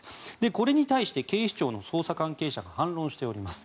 これに対して警視庁の捜査関係者が反論しております。